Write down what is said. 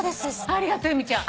ありがとう由美ちゃん。